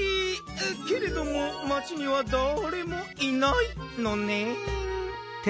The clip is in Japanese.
けれども町にはだれもいないのねん。